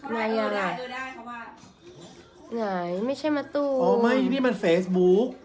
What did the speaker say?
มายังไหนไม่ใช่มะตูอ้อไม่นี่มันเฟซบุ๊ก